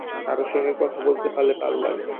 কারো সঙ্গে কথা বলতে পারলে ভালো লাগে।